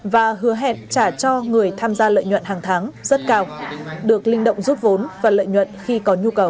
và hứa hẹn trả cho người tham gia lợi nhuận hàng tháng rất cao được linh động rút vốn và lợi nhuận khi có nhu cầu